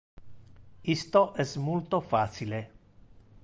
Isto es multo facile.